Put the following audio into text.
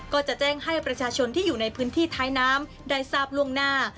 ก็จะแจ้งให้ประชาชนที่อยู่ในพื้นที่ท้ายน้ำได้ทราบล่วงหน้า